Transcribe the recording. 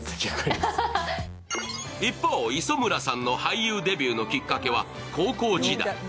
一方、磯村さんの俳優デビューのきっかけは高校時代。